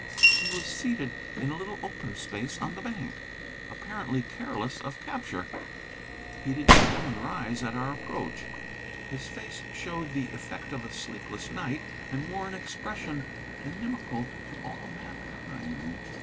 He was seated in a little open space on the bank, apparently careless of capture. He did not even rise at our approach. His face showed the effect of a sleepless night, and wore an expression inimical to all mankind.